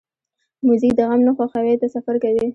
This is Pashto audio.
موزیک د غم نه خوښۍ ته سفر کوي.